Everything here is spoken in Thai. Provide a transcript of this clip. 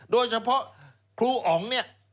โดยเฉพาะครูอ๋องเนี่ย